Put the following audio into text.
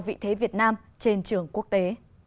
vị thế việt nam trên trường quốc tế